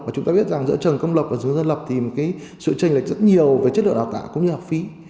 và chúng ta biết rằng giữa trường công lập và trường dân lập thì sự tranh lệch rất nhiều về chất lượng đào tạo cũng như học phí